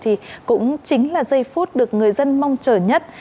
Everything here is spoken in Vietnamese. thì cũng chính là giây phút được người dân mong chờ nhất